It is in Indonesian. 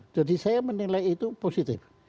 jadi saya menilai itu positif